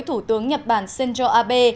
thủ tướng nhật bản shinzo abe